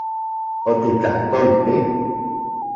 ¿Otiktlajtolti...?